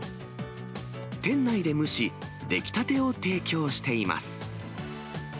店内で蒸し、出来たてを提供しています。